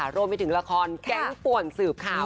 รวมยังไม่ถึงละครแก๊งป่วนสืบข่าวค่ะ